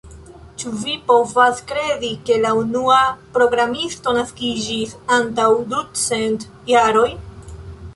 Ĉu vi povas kredi, ke la unua programisto naskiĝis antaŭ ducent jaroj?